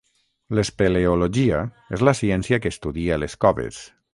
L'espeleologia és la ciència que estudia les coves.